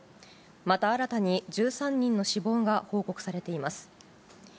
また新たに１３人の死亡が報告されています。